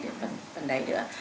đến phần đấy nữa